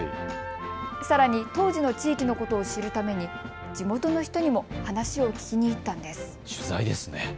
さらに当時の地域のことを知るために地元の人にも話を聞きにいったんです。